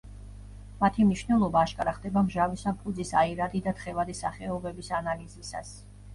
მათი მნიშვნელობა აშკარა ხდება მჟავის ან ფუძის აირადი და თხევადი სახეობების ანალიზისას.